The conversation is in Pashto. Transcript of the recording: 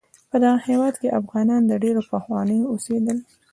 په دغه هیواد کې افغانان د ډیر پخوانه اوسیدل